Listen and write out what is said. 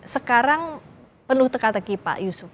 sekarang penuh teka teki pak yusuf